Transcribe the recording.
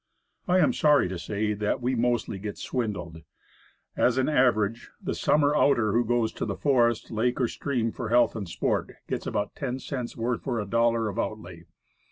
I am sorry to say that we mostly get swindled. As an average, the summer outer who goes to forest, lake or stream for health and sport, gets about ten cents' worth for a dollar of outlay.